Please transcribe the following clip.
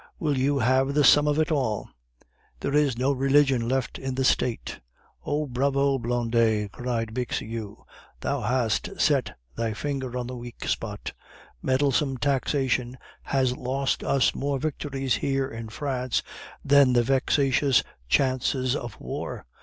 Will you have the sum of it all! There is no religion left in the State!" "Oh, bravo, Blondet!" cried Bixiou, "thou hast set thy finger on the weak spot. Meddlesome taxation has lost us more victories here in France than the vexatious chances of war.